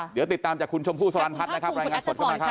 เดี๋ยวติดตามจากคุณชมพู่สลันพัฒน์นะครับรายงานสดเข้ามาครับ